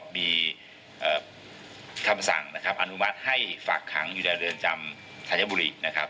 มีคำสั่งนะครับอนุมัติให้ฝากขังอยู่ในเรือนจำธัญบุรีนะครับ